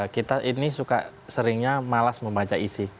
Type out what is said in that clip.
kita ini suka seringnya malas membaca isi